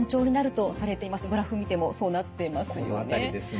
グラフを見てもそうなっていますよね。